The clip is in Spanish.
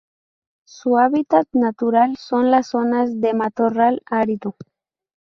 Su hábitat natural son las zonas de matorral árido.